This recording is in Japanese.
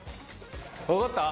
分かった？